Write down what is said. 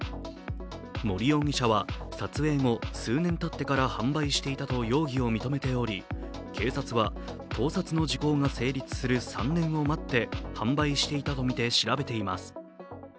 森容疑者は、撮影後、数年たってから販売していたと容疑を認めており、警察は盗撮の時効が成立する３年を待って販売していたとみて調べています。